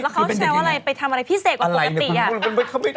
ไปทำอะไรพิเศษกว่าปกติ